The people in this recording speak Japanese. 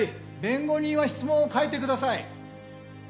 弁護人は質問を変えてください。